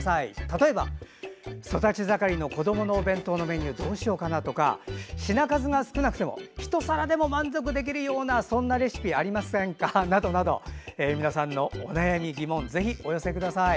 例えば、育ち盛りの子どものお弁当のメニューどうしようとか品数が少なくてもひと皿でも満足できるようなそんなレシピありませんかなどなど皆さんのお悩み、疑問ぜひお寄せください。